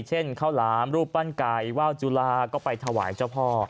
เช่นข้าวหลามรูปปั้นไก่ว่าวจุลาก็ไปถวายเจ้าพ่อ